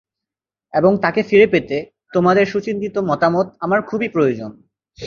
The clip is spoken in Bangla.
এবং তাকে ফিরে পেতে তোমাদের সুচিন্তিত মতামত আমার খুবই প্রয়োজন।